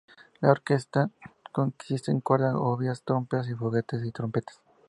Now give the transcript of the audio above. La orquesta consiste en cuerda, oboes, trompas, fagotes y trompetas.